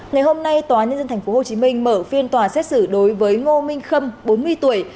ngày hôm nay tòa nhân dân tp hcm mở phiên tòa xét xử đối với ngô minh khâm bốn mươi tuổi